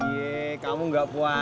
jee kamu enggak puasa ya